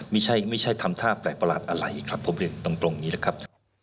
ไม่ใช่ทำท่าแปลกประหลาดอะไรครับผมเรียนตรงนี้นะครับ